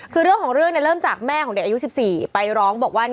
เรื่องของเรื่องเริ่มจากแม่ของเด็ก๑๔ไปร้อง